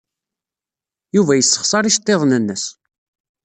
Yuba yessexṣar iceḍḍiḍen-nnes.